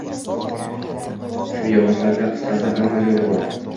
simyog‘ochlarda, qisqasi, hamma joyda bor